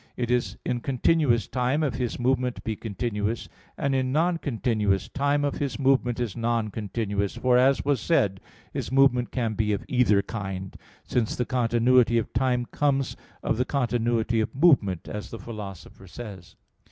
It is in continuous time if his movement be continuous, and in non continuous time if his movement is non continuous for, as was said (A. 1), his movement can be of either kind, since the continuity of time comes of the continuity of movement, as the Philosopher says (Phys.